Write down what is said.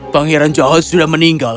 pangeran johor sudah meninggal